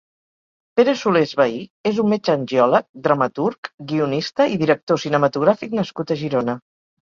Pere Solés Bahí és un metge angiòleg, dramaturg, guionista i director cinematogràfic nascut a Girona.